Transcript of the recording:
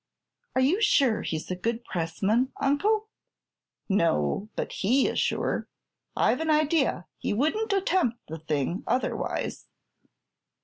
"Are you sure he's a good pressman, Uncle?" "No; but he is sure. I've an idea he wouldn't attempt the thing, otherwise."